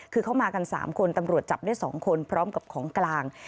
คือเขามากัน๓คนตำรวจจับได้๒คนพร้อมกับของกลาง